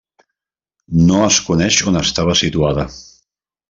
No es coneix on estava situada.